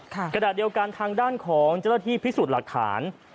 ขณะเดียวกันทางด้านของเจ้าหน้าที่พิสูจน์หลักฐาน